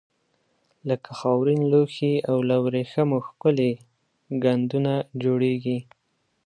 لکه خاورین لوښي او له وریښمو ښکلي ګنډونه جوړیږي.